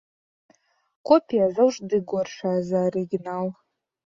Копія заўжды горшая за арыгінал.